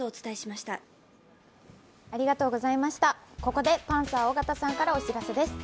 ここで、パンサー・尾形さんからお知らせです。